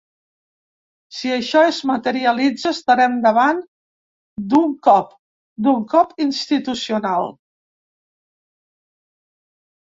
Si això es materialitza estarem davant d’un cop; d’un cop institucional.